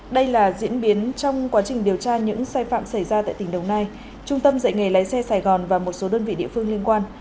đây là diễn biến trong quá trình điều tra những sai phạm xảy ra tại tỉnh đồng nai trung tâm dạy nghề lái xe sài gòn và một số đơn vị địa phương liên quan